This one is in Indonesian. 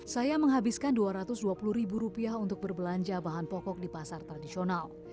saya menghabiskan rp dua ratus dua puluh untuk berbelanja bahan pokok di pasar tradisional